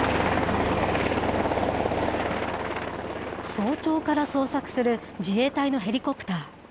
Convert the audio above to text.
早朝から捜索する自衛隊のヘリコプター。